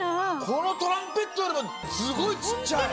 このトランペットよりもすごいちっちゃい。